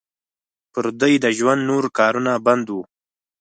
پر دوی د ژوند نور کارونه بند وو.